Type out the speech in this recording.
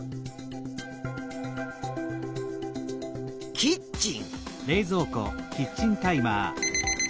キッチン。